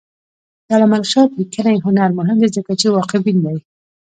د علامه رشاد لیکنی هنر مهم دی ځکه چې واقعبین دی.